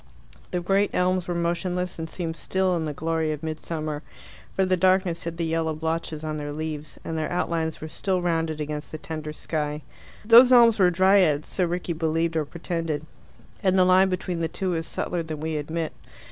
The great elms were motionless, and seemed still in the glory of midsummer, for the darkness hid the yellow blotches on their leaves, and their outlines were still rounded against the tender sky. Those elms were Dryads so Rickie believed or pretended, and the line between the two is subtler than we admit.